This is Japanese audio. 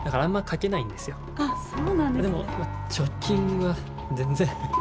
でも貯金は全然。